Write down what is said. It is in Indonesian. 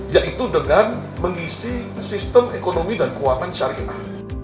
yaitu dengan mengisi sistem ekonomi dan keuangan syariah